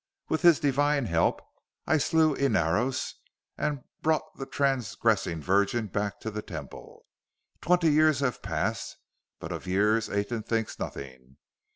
With His divine help I slew Inaros and brought the transgressing virgin back to the Temple. Twenty years have passed but of years Aten thinks nothing.